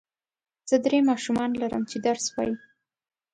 زه درې ماشومان لرم چې درس وايي.